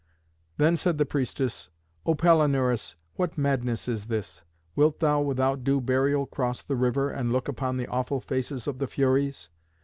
Then said the priestess, "O Palinurus, what madness is this? Wilt thou without due burial cross the river, and look upon the awful faces of the Furies?